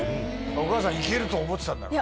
お母さん行けると思ってたんだろうね。